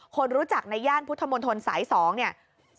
คนรู้จักในย่านพุทธมนตรสาย๒เนี่ย